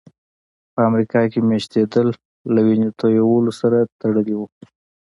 په امریکا کې مېشتېدل له وینې تویولو سره تړلي وو.